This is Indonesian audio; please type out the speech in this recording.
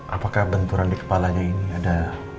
apakah benturan di kepalanya ini ada